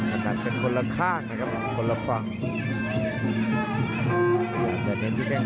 อากาศเป็นคนละข้างนะครับคนละฝั่ง